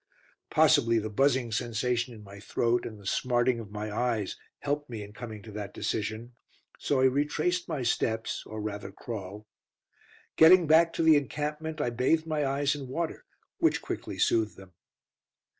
Possibly the buzzing sensation in my throat, and the smarting of my eyes, helped me in coming to that decision, so I retraced my steps, or rather crawl. Getting back to the encampment, I bathed my eyes in water, which quickly soothed them.